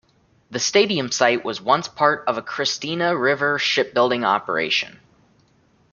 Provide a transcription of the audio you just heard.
The stadium site was once part of a Christina River shipbuilding operation.